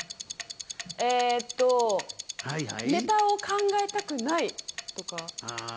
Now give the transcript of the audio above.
ネタを考えたくないとか。